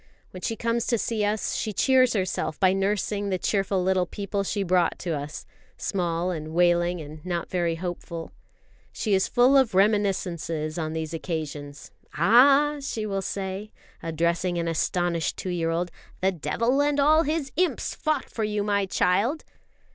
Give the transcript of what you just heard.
When she comes to see us, she cheers herself by nursing the cheerful little people she brought to us, small and wailing and not very hopeful. She is full of reminiscences on these occasions. "Ah," she will say, addressing an astonished two year old, "the devil and all his imps fought for you, my child!"